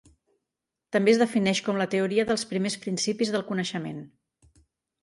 També es defineix com la teoria dels primers principis del coneixement.